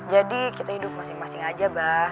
jadi kita hidup masing masing aja abah